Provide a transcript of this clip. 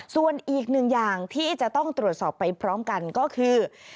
ส่วนอีกหนึ่งอย่างที่จะต้องตรวจสอบไปพร้อมกันก็คือ